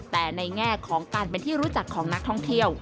แต่ในแง่ของการเป็นที่รู้จักของนักท่องเที่ยว